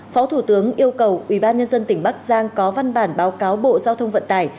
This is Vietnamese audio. phó thủ tướng yêu cầu ủy ban nhân dân tỉnh bắc giang có văn bản báo cáo bộ giao thông vận tải